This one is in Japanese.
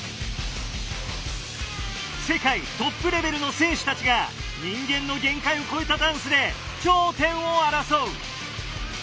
世界トップレベルの選手たちが人間の限界を超えたダンスで頂点を争う。